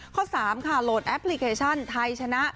ข้อ๓ค่ะโหลดแอปพลิเคชันไทยชนะ